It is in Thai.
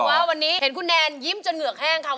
ว่าวันนี้เห็นคุณแนนยิ้มจนเหงือกแห้งค่ะ